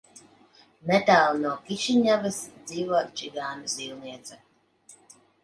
Netālu no Kišiņevas dzīvo čigānu zīlniece.